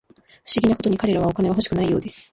不思議なことに、彼らはお金が欲しくないようです